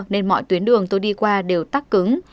nên mọi tuyến đường tôi đi qua đều tắt cứng